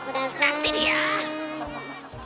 待ってるよ！